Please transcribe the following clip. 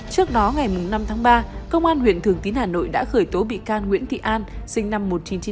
trước đó ngày năm tháng ba công an huyện thường tín hà nội đã khởi tố bị can nguyễn thị an sinh năm một nghìn chín trăm chín mươi